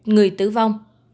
người tử vong